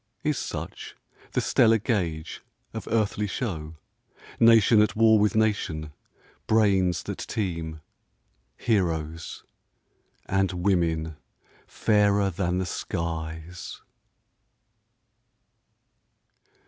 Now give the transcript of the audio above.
Is such the stellar gauge of earthly show, Nation at war with nation, brains that teem, Heroes, and women fairer than the skies?